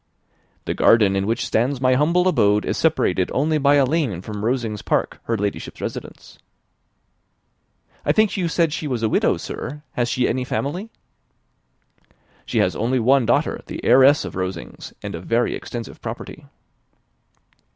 "The garden in which stands my humble abode is separated only by a lane from Rosings Park, her Ladyship's residence." "I think you said she was a widow, sir? has she any family?" "She has one only daughter, the heiress of Rosings, and of very extensive property."